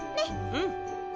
うん。